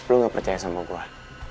lu gak percaya sama gue